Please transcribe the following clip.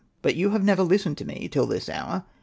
But you have never listened to me till this hour.